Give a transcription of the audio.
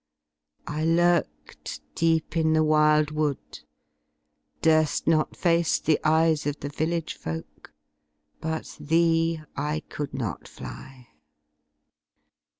I lurked Deep in the wild wood, duril not face the eyes Of the village folk — but thee I could not fly.